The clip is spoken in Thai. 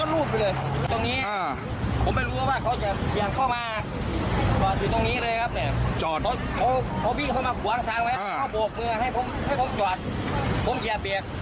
แล้วก็เบียบแจ้ให้เขาถอยไปอีก